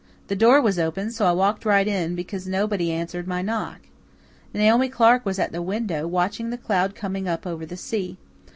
The door was open, so I walked right in, because nobody answered my knock. Naomi Clark was at the window, watching the cloud coming up over the sea.